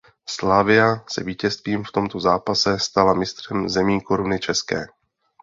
Slavia se vítězstvím v tomto zápase stala Mistrem zemí koruny České.